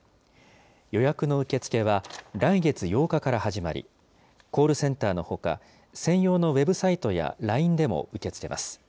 予約の受け付けは来月８日から始まり、コールセンターのほか、専用のウェブサイトやＬＩＮＥでも受け付けます。